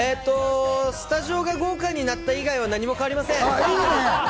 スタジオが豪華になった以外は何も変わりません。